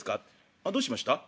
「あどうしました？」。